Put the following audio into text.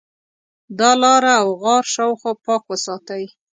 د ا لاره او غار شاوخوا پاک وساتئ.